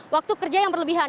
waktu kerja yang berlebihan